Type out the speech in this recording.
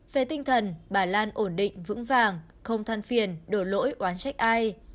về tinh thần bà lan ổn định vững vàng không thăn phiền đổ lỗi oán trách ai